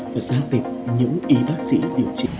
và giá tịp những y bác sĩ điều trị